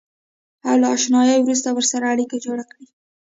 او له اشنایۍ وروسته ورسره اړیکه جوړه کړئ.